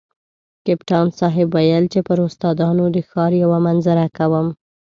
کپتان صاحب ویل چې پر استادانو د ښار یوه منظره کوم.